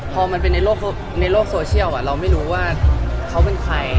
พอมันเป็นในโลกโซเชียลเราไม่รู้ว่าเขาเป็นใคร